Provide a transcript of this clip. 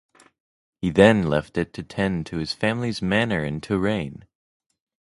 He then left it to tend to his family's manor in Touraine.